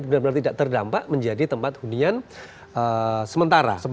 benar benar tidak terdampak menjadi tempat hunian sementara